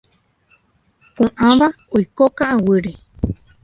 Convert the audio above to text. Ko'ãva oiko ka'aguýre.